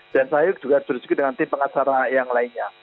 dan saya juga harus berdiskusi dengan tim pengacara yang lainnya